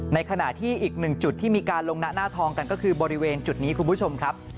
ในขณะที่อีกหนึ่งจุดที่มีการลงหน้าหน้าทองกันก็คือบริเวณจุดนี้คุณผู้ชมครับ